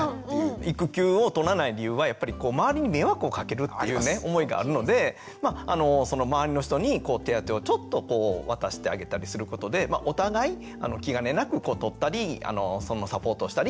育休を取らない理由はやっぱり周りに迷惑をかけるっていうね思いがあるので周りの人に手当をちょっと渡してあげたりすることでお互い気兼ねなく取ったりそのサポートをしたりっていうのね